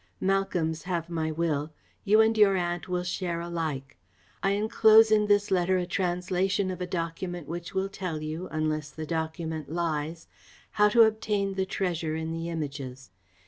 Malcolm's have my will. You and your aunt will share alike. I enclose in this letter a translation of a document which will tell you, unless the document lies, how to obtain the treasure in the Images.